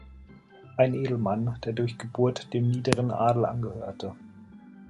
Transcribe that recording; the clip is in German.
Ein Edelmann, der durch Geburt dem niederen Adel angehörte.